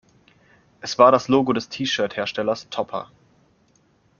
Es war das Logo des T-Shirt-Herstellers Topper.